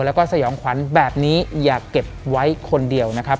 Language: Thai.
แล้วก็สยองขวัญแบบนี้อย่าเก็บไว้คนเดียวนะครับ